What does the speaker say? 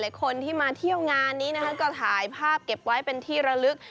คนที่มาเที่ยวงานนี้นะคะก็ถ่ายภาพเก็บไว้เป็นที่ระลึก